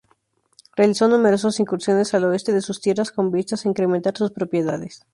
Realizó numerosas incursiones al oeste de sus tierras con vistas a incrementar sus propiedades.